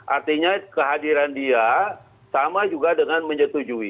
artinya kehadiran dia sama juga dengan menyetujui